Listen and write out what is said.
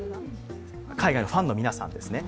海外のファンの皆さんですね。